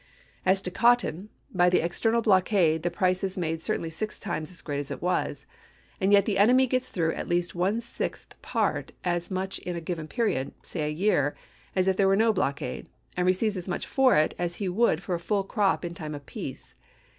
As to cotton. By the external blockade, the price is made certainly six times as great as it was. And yet the 448 ABRAHAM LINCOLN Chap. xix. enemy gets through at least one sixth part as much in a given period, say a year, as if there were no blockade, and receives as much for it as he would for a full crop in time of peace.